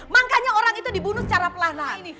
makanya orang itu dibunuh secara pelan pelan